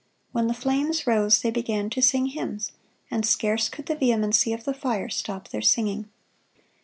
When the flames rose, they began to sing hymns; and scarce could the vehemency of the fire stop their singing."